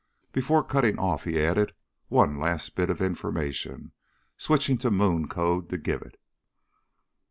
Before cutting off he added one last bit of information, switching to moon code to give it.